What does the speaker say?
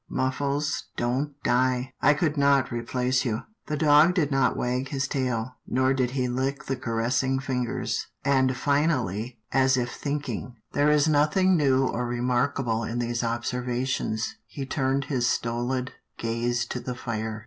Muffles, don't die. I could not replace you." The dog did not wag his tail, nor did he lick the caressing fingers, and finally, as if thinking, " There A CALL ON THE MERCHANT 55 is nothing new or remarkable in these observa tions," he turned his stohd gaze to the fire.